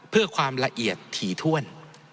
เพื่อความละเอียดถี่ถ้วน